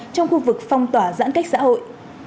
trong khu vực phong tỏa giãn cách xã hội